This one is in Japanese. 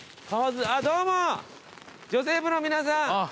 どうも女性部の皆さん。